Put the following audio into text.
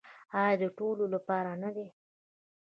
آیا د ټولو لپاره نه دی؟